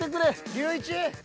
隆一！